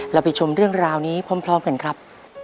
ไปชมเรื่องราวนี้พร้อมกันครับ